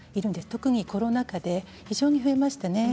特にコロナ禍で非常に増えましたね